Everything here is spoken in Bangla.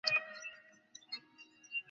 শুধু, সময়মতো বাধা দেইনি।